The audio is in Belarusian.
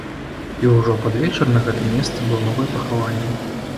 І ўжо пад вечар на гэтым месцы была новае пахаванне.